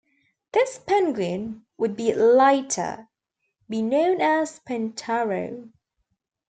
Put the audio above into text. This penguin would be later be known as Pentarou.